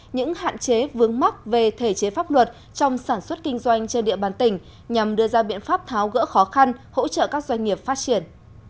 những hạn chế vướng mắc về thể chế pháp luật trong sản xuất kinh doanh trên địa bàn tỉnh nhằm đưa ra biện pháp tháo gỡ khó khăn hỗ trợ các doanh nghiệp phát triển